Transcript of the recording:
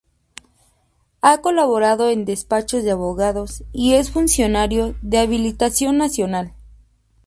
Ha colaborado en despachos de abogados y es funcionario de habilitación nacional.